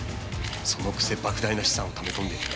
そのくせ莫大な資産をため込んでいる。